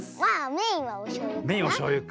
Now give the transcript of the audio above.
メインはおしょうゆか。